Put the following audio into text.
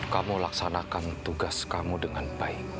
kamu laksanakan tugas kamu dengan baik